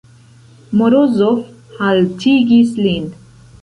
Morozov haltigis lin.